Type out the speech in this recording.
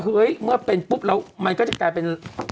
เฮ้ยเมื่อเป็นปุ๊บแล้วมันก็จะกลายเป็น